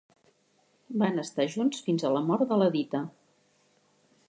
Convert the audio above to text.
Van estar junts fins a la mort de la Dita.